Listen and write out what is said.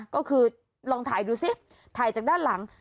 ก็คือลองถ่ายดูสิถ่ายจากด้านหลัง